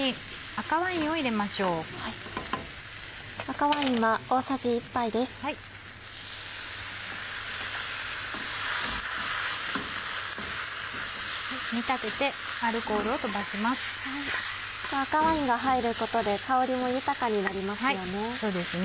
赤ワインが入ることで香りも豊かになりますよね。